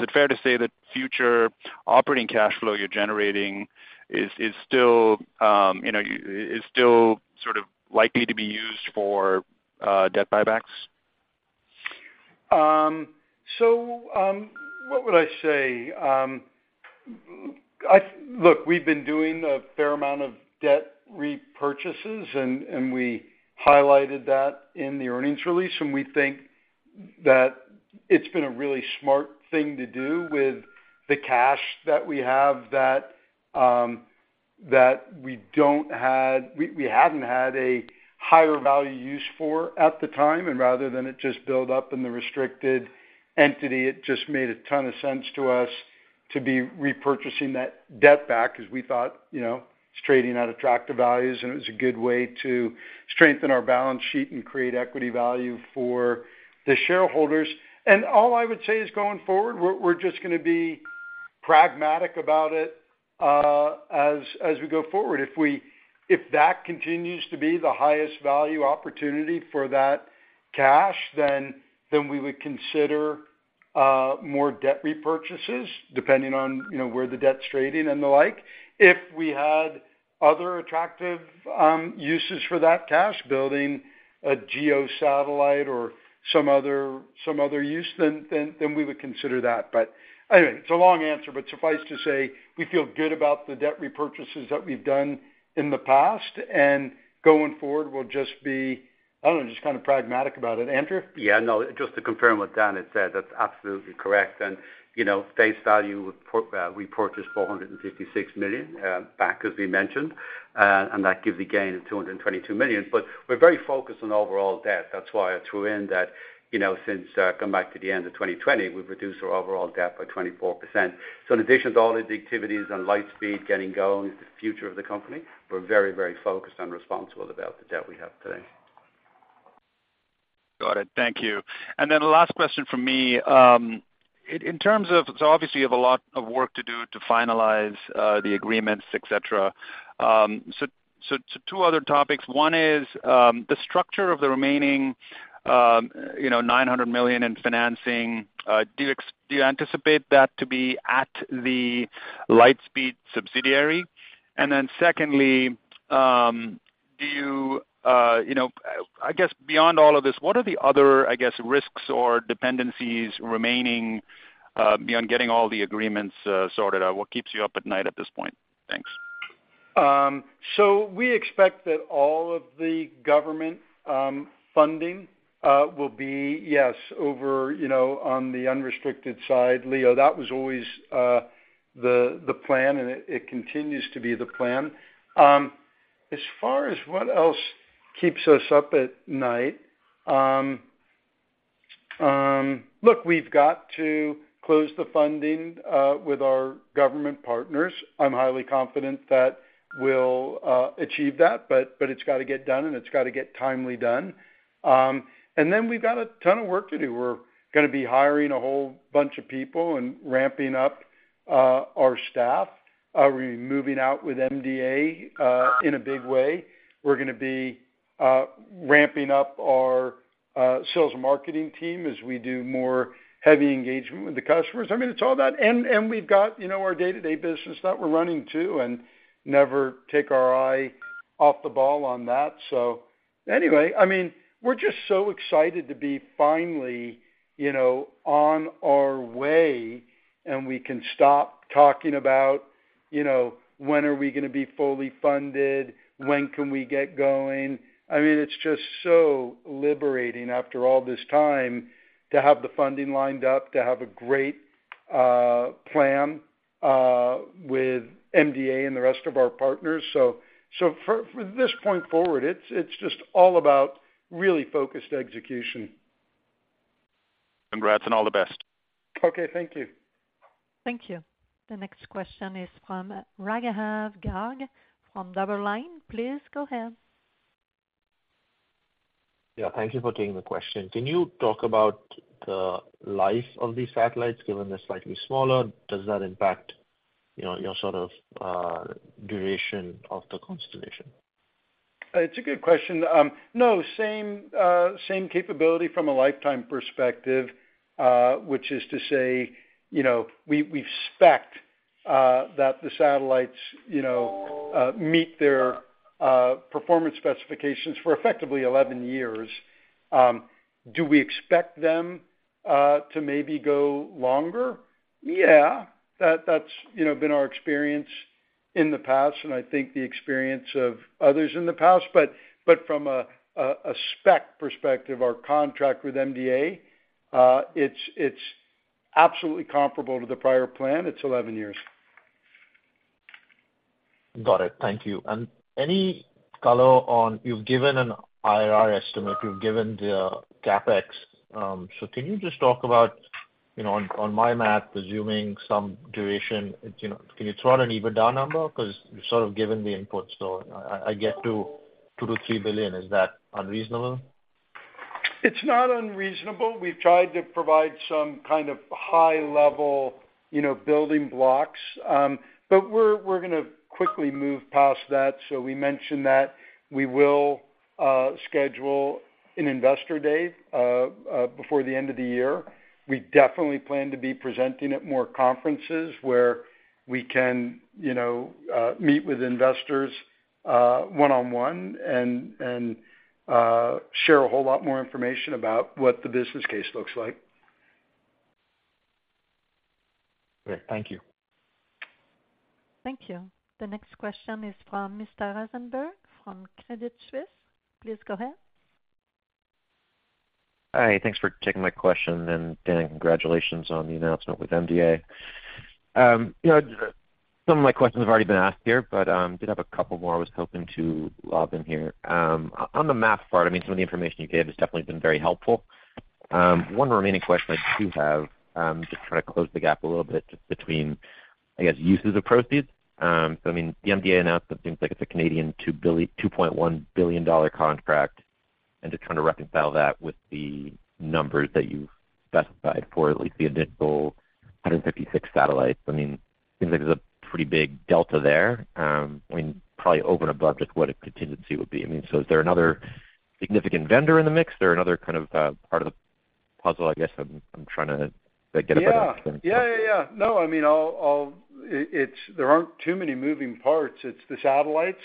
it fair to say that future operating cash flow you're generating is, is still, you know, is still sort of likely to be used for debt buybacks? So, what would I say? Look, we've been doing a fair amount of debt repurchases, and we highlighted that in the earnings release, and we think that it's been a really smart thing to do with the cash that we have that we hadn't had a higher value use for at the time. Rather than it just build up in the restricted entity, it just made a ton of sense to us to be repurchasing that debt back because we thought, you know, it's trading at attractive values, and it was a good way to strengthen our balance sheet and create equity value for the shareholders. All I would say is, going forward, we're just gonna be pragmatic about it, as we go forward. If that continues to be the highest value opportunity for that cash, then, then we would consider more debt repurchases, depending on, you know, where the debt's trading and the like. If we had other attractive uses for that cash, building a GEO satellite or some other, some other use, then, then, then we would consider that. Anyway, it's a long answer, but suffice to say, we feel good about the debt repurchases that we've done in the past, and going forward, we'll just be, I don't know, just kind of pragmatic about it. Andrew? Yeah, no, just to confirm what Dan had said, that's absolutely correct. You know, face value, we purchased 456 million back, as we mentioned, and that gives a gain of 222 million. We're very focused on overall debt. That's why I threw in that, you know, since coming back to the end of 2020, we've reduced our overall debt by 24%. In addition to all the activities on Lightspeed getting going is the future of the company, we're very, very focused and responsible about the debt we have today. Got it. Thank you. The last question from me. Obviously, you have a lot of work to do to finalize the agreements, et cetera. Two other topics. One is, you know, the structure of the remaining $900 million in financing, do you anticipate that to be at the Lightspeed subsidiary? Secondly, do you, you know, I guess beyond all of this, what are the other, I guess, risks or dependencies remaining beyond getting all the agreements sorted out? What keeps you up at night at this point? Thanks. We expect that all of the government funding will be, yes, over, you know, on the unrestricted side, LEO. That was always the plan, and it continues to be the plan. As far as what else keeps us up at night, look, we've got to close the funding with our government partners. I'm highly confident that we'll achieve that, but it's got to get done, and it's got to get timely done. We've got a ton of work to do. We're gonna be hiring a whole bunch of people and ramping up our staff. We're moving out with MDA in a big way. We're gonna be ramping up our sales and marketing team as we do more heavy engagement with the customers. I mean, it's all that. We've got, you know, our day-to-day business that we're running, too, and never take our eye off the ball on that. Anyway, I mean, we're just so excited to be finally, you know, on our way, and we can stop talking about, you know, when are we gonna be fully funded? When can we get going? I mean, it's just so liberating, after all this time, to have the funding lined up, to have a great plan with MDA and the rest of our partners. For this point forward, it's just all about really focused execution.... congrats and all the best. Okay, thank you. Thank you. The next question is from Raghav Garg from DoubleLine. Please go ahead. Yeah, thank you for taking the question. Can you talk about the life of these satellites, given they're slightly smaller? Does that impact, you know, your sort of, duration of the constellation? It's a good question. No, same, same capability from a lifetime perspective, which is to say, you know, we, we expect that the satellites, you know, meet their performance specifications for effectively 11 years. Do we expect them to maybe go longer? Yeah, that, that's, you know, been our experience in the past, and I think the experience of others in the past. From a spec perspective, our contract with MDA, it's, it's absolutely comparable to the prior plan. It's 11 years. Got it. Thank you. Any color on-- You've given an IRR estimate, you've given the CapEx. Can you just talk about, you know, on, on my math, assuming some duration, you know, can you throw out an EBITDA number? You've sort of given the input, so I, I get to $2 billion to $3 billion. Is that unreasonable? It's not unreasonable. We've tried to provide some kind of high level, you know, building blocks. We're, we're gonna quickly move past that. We mentioned that we will schedule an investor day before the end of the year. We definitely plan to be presenting at more conferences where we can, you know, meet with investors one-on-one, and, and share a whole lot more information about what the business case looks like. Great. Thank you. Thank you. The next question is from Mr. Rosenberg from Credit Suisse. Please go ahead. Hi, thanks for taking my question. Dan, congratulations on the announcement with MDA. You know, some of my questions have already been asked here, but, I did have a couple more I was hoping to lob in here. On the math part, I mean, some of the information you gave has definitely been very helpful. One remaining question I do have, just trying to close the gap a little bit just between, I guess, uses of proceeds. I mean, the MDA announcement seems like it's a 2.1 billion Canadian dollars contract, and just trying to reconcile that with the numbers that you've specified for at least the initial 156 satellites. I mean, seems like there's a pretty big delta there. I mean, probably over and above just what a contingency would be. I mean, so is there another significant vendor in the mix? There another kind of part of the puzzle, I guess, I'm, I'm trying to get a better understanding. Yeah. Yeah, yeah, yeah. No, I mean, there aren't too many moving parts. It's the satellites,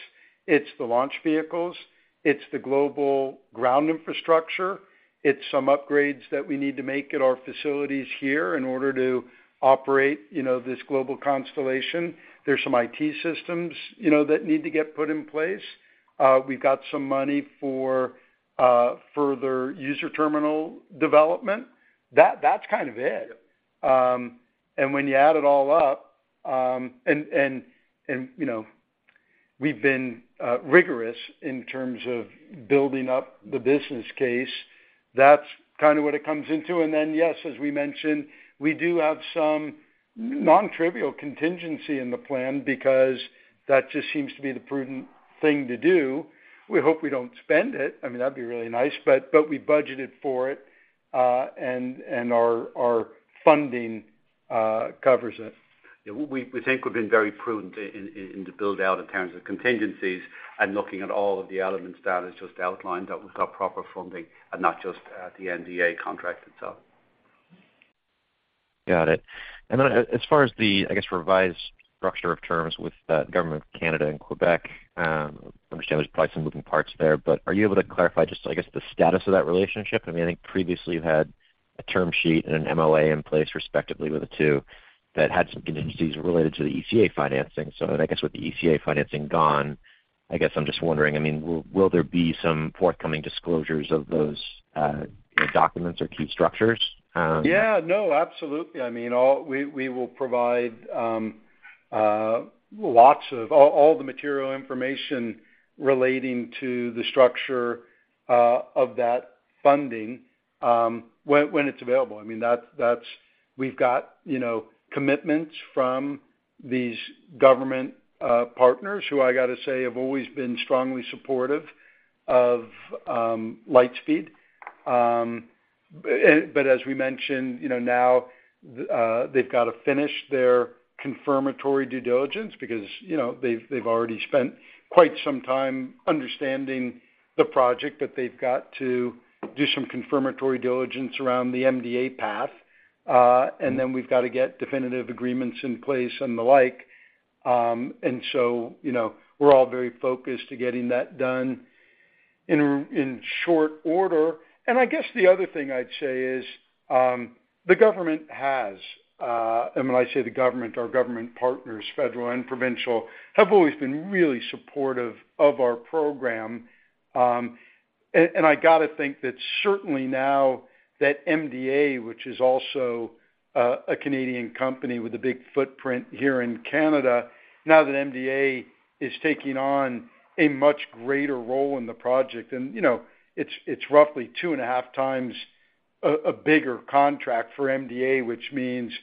it's the launch vehicles, it's the global ground infrastructure, it's some upgrades that we need to make at our facilities here in order to operate, you know, this global constellation. There's some IT systems, you know, that need to get put in place. We've got some money for further user terminal development. That's kind of it. When you add it all up,... You know, we've been rigorous in terms of building up the business case. That's kind of what it comes into. Yes, as we mentioned, we do have some nontrivial contingency in the plan because that just seems to be the prudent thing to do. We hope we don't spend it. I mean, that'd be really nice, but we budgeted for it, and our funding covers it. Yeah, we, we think we've been very prudent in, in, in the build-out in terms of contingencies and looking at all of the elements that is just outlined, that we've got proper funding and not just the MDA contract itself. Got it. As far as the, I guess, revised structure of terms with the Government of Canada and Quebec, I understand there's probably some moving parts there, but are you able to clarify just, I guess, the status of that relationship? I mean, I think previously you had a term sheet and an MOA in place, respectively, with the two, that had some contingencies related to the ECA financing. I guess with the ECA financing gone, I guess I'm just wondering, I mean, will, will there be some forthcoming disclosures of those, you know, documents or key structures? Yeah, no, absolutely. I mean, we, we will provide all the material information relating to the structure of that funding when, when it's available. I mean, that's, we've got, you know, commitments from these government partners, who I got to say have always been strongly supportive of Lightspeed. As we mentioned, you know, now, they've got to finish their confirmatory due diligence because, you know, they've already spent quite some time understanding the project, but they've got to do some confirmatory diligence around the MDA path. Then we've got to get definitive agreements in place and the like. You know, we're all very focused to getting that done in, in short order. I guess the other thing I'd say is, the government has, and when I say the government, our government partners, federal and provincial, have always been really supportive of our program. I got to think that certainly now that MDA, which is a Canadian company with a big footprint here in Canada. Now that MDA is taking on a much greater role in the project, and, you know, it's, it's roughly 2.5 times a bigger contract for MDA, which means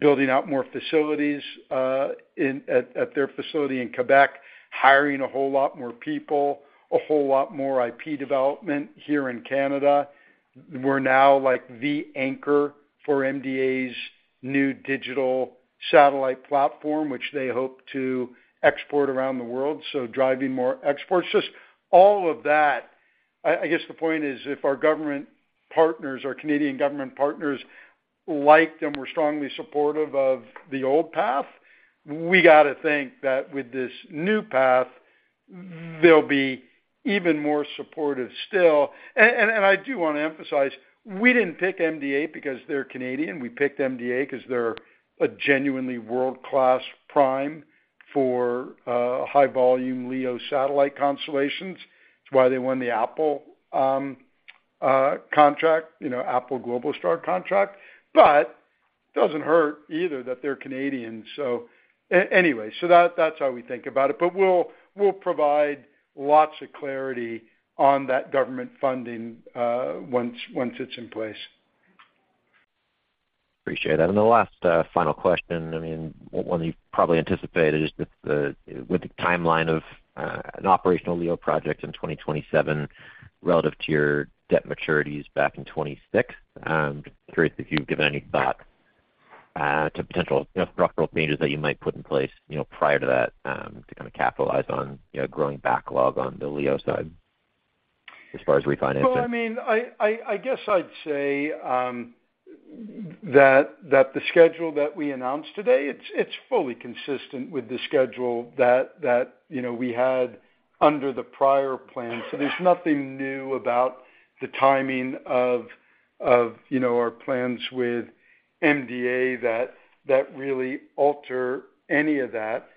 building out more facilities at their facility in Quebec, hiring a whole lot more people, a whole lot more IP development here in Canada. We're now, like, the anchor for MDA's new digital satellite platform, which they hope to export around the world, so driving more exports. Just all of that. I guess the point is, if our government partners, our Canadian government partners, liked and were strongly supportive of the old path, we gotta think that with this new path, they'll be even more supportive still. I do wanna emphasize, we didn't pick MDA because they're Canadian. We picked MDA because they're a genuinely world-class prime for high volume LEO satellite constellations. It's why they won the Apple contract, you know, Apple Globalstar contract. Doesn't hurt either that they're Canadian. Anyway, that's how we think about it. We'll, we'll provide lots of clarity on that government funding once it's in place. Appreciate that. The last final question, I mean, one you've probably anticipated is the with the timeline of an operational LEO project in 2027 relative to your debt maturities back in 2026, just curious if you've given any thought to potential, you know, structural changes that you might put in place, you know, prior to that, to kind of capitalize on, you know, growing backlog on the LEO side, as far as refinancing? Well, I mean, I guess I'd say that the schedule that we announced today, it's, it's fully consistent with the schedule that, that, you know, we had under the prior plan. There's nothing new about the timing of, of, you know, our plans with MDA that, that really alter any of that.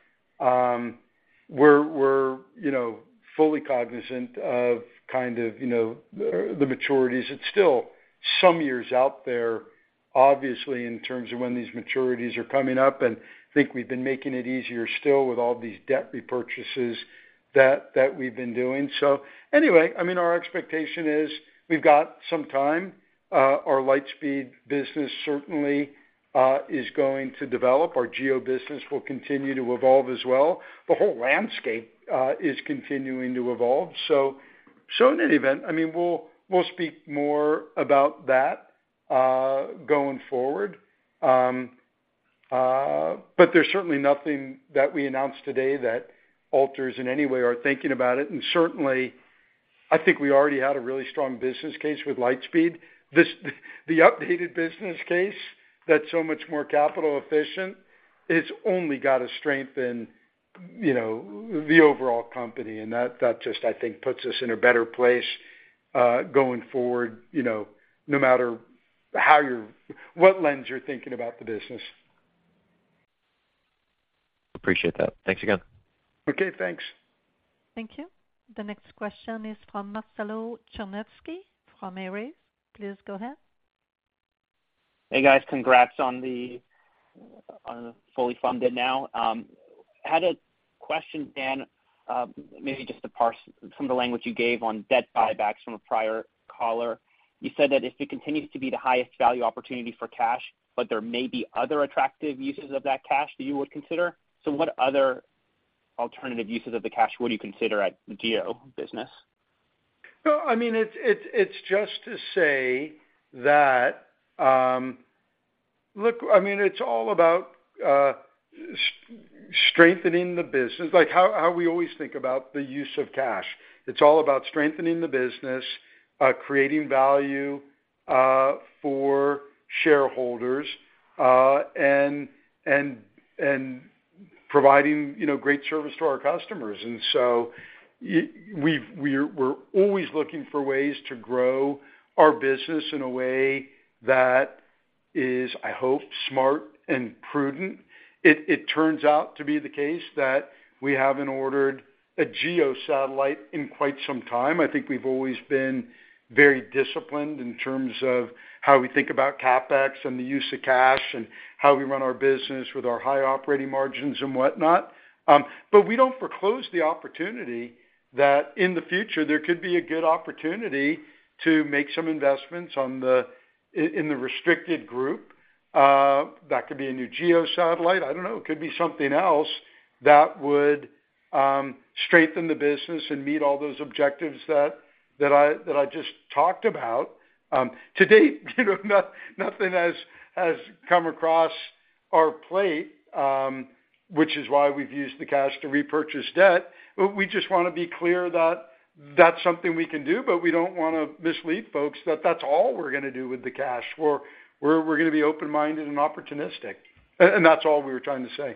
We're, we're, you know, fully cognizant of kind of, you know, the maturities. It's still some years out there, obviously, in terms of when these maturities are coming up, and I think we've been making it easier still with all these debt repurchases that, that we've been doing. Anyway, I mean, our expectation is we've got some time. Our Lightspeed business certainly is going to develop. Our GEO business will continue to evolve as well. The whole landscape is continuing to evolve. In any event, I mean, we'll, we'll speak more about that going forward. There's certainly nothing that we announced today that alters in any way our thinking about it. Certainly, I think we already had a really strong business case with Lightspeed. The updated business case, that's so much more capital efficient, it's only gonna strengthen, you know, the overall company, and that, that just, I think, puts us in a better place going forward, you know, no matter what lens you're thinking about the business. Appreciate that. Thanks again. Okay, thanks. Thank you. The next question is from Marcello Chermisqui, from Ares. Please go ahead. Hey, guys. Congrats on the, on fully funded now. I had a question, Dan, maybe just to parse some of the language you gave on debt buybacks from a prior caller. You said that if it continues to be the highest value opportunity for cash, but there may be other attractive uses of that cash that you would consider. What other alternative uses of the cash would you consider at the GEO business? No, I mean, it's just to say that, look, I mean, it's all about strengthening the business, like how we always think about the use of cash. It's all about strengthening the business, creating value for shareholders, and providing, you know, great service to our customers. So we've, we're always looking for ways to grow our business in a way that is, I hope, smart and prudent. It turns out to be the case that we haven't ordered a GEO satellite in quite some time. I think we've always been very disciplined in terms of how we think about CapEx and the use of cash, and how we run our business with our high operating margins and whatnot. We don't foreclose the opportunity that in the future there could be a good opportunity to make some investments in the restricted group. That could be a new GEO satellite. I don't know, it could be something else that would strengthen the business and meet all those objectives that, that I, that I just talked about. To date, you know, nothing has, has come across our plate, which is why we've used the cash to repurchase debt. We just wanna be clear that that's something we can do, but we don't wanna mislead folks, that that's all we're gonna do with the cash. We're gonna be open-minded and opportunistic. That's all we were trying to say.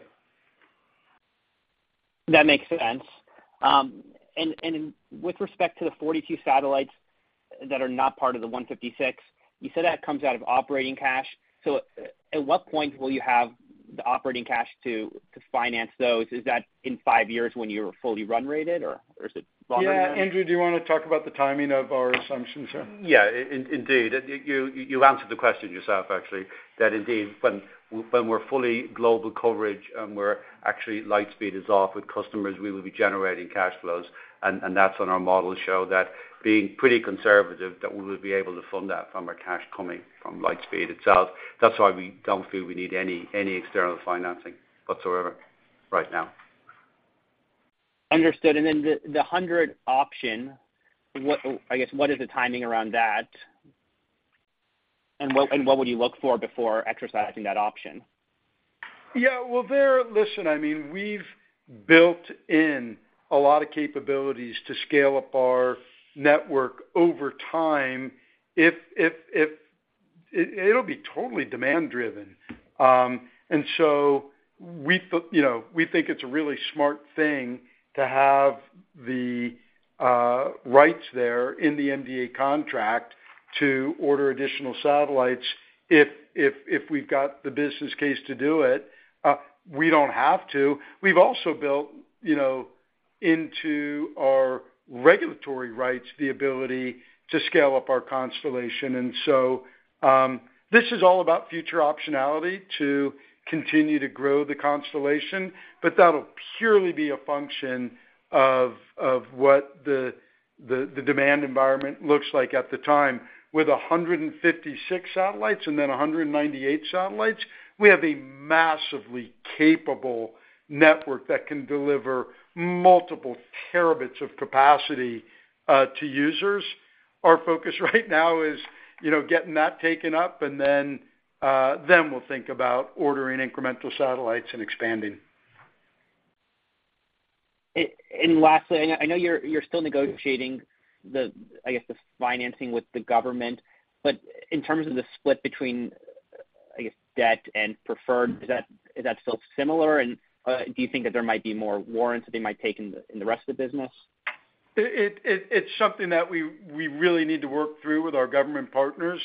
That makes sense. With respect to the 42 satellites that are not part of the 156, you said that comes out of operating cash. At what point will you have the operating cash to, to finance those, is that in five years when you're fully run rated, or, or is it longer than? Yeah, Andrew, do you wanna talk about the timing of our assumptions here? Yeah, indeed. You, you answered the question yourself, actually. That indeed, when we're fully global coverage and we're actually Lightspeed is off with customers, we will be generating cash flows, and that's on our model show that being pretty conservative, that we will be able to fund that from our cash coming from Lightspeed itself. That's why we don't feel we need any external financing whatsoever right now. Understood. Then the, the 100 option, I guess, what is the timing around that? What, and what would you look for before exercising that option? Yeah, well, listen, I mean, we've built in a lot of capabilities to scale up our network over time. It'll be totally demand driven. You know, we think it's a really smart thing to have the rights there in the MDA contract to order additional satellites, if, if, if we've got the business case to do it. We don't have to. We've also built, you know, into our regulatory rights, the ability to scale up our constellation. This is all about future optionality to continue to grow the constellation, but that'll purely be a function of, of what the, the, the demand environment looks like at the time. With 156 satellites and then 198 satellites, we have a massively capable network that can deliver multiple terabits of capacity to users. Our focus right now is, you know, getting that taken up, and then, then we'll think about ordering incremental satellites and expanding. Lastly, I know, I know you're still negotiating the, I guess, the financing with the government, but in terms of the split between, I guess, debt and preferred, is that, is that still similar? Do you think that there might be more warrants that they might take in the, in the rest of the business? It's something that we, we really need to work through with our government partners.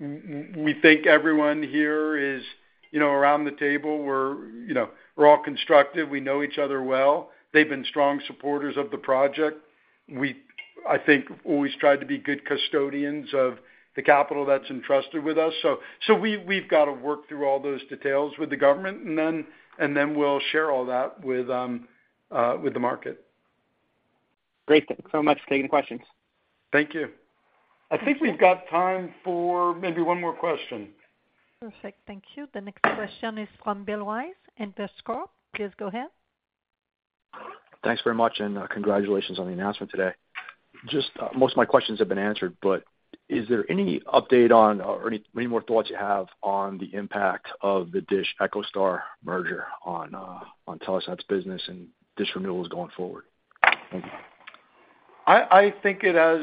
We think everyone here is, you know, around the table, we're, you know, we're all constructive. We know each other well. They've been strong supporters of the project. We, I think, always tried to be good custodians of the capital that's entrusted with us. We've, we've got to work through all those details with the government, and then we'll share all that with the market. Great. Thank you so much for taking the questions. Thank you. I think we've got time for maybe one more question. Perfect. Thank you. The next question is from Bill Wise, Investcorp. Please go ahead. Thanks very much, and congratulations on the announcement today. Just, most of my questions have been answered, but is there any update on or any, any more thoughts you have on the impact of the DISH EchoStar merger on, on Telesat's business and DISH renewals going forward? I, I think it has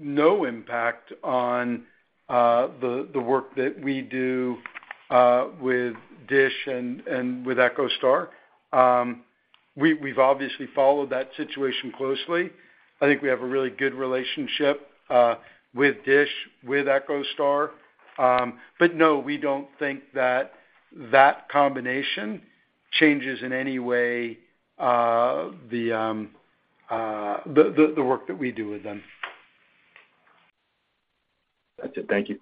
no impact on the, the work that we do with DISH and, and with EchoStar. We, we've obviously followed that situation closely. I think we have a really good relationship with DISH, with EchoStar. No, we don't think that, that combination changes in any way the work that we do with them. That's it. Thank you.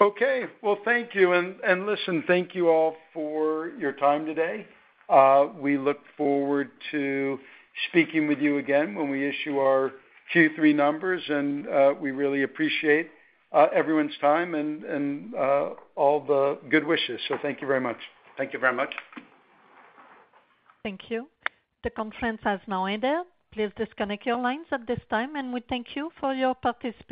Okay. Well, thank you. Listen, thank you all for your time today. We look forward to speaking with you again when we issue our Q3 numbers, and we really appreciate everyone's time and, and all the good wishes. Thank you very much. Thank you very much. Thank you. The conference has now ended. Please disconnect your lines at this time, and we thank you for your participation.